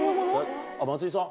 松居さん？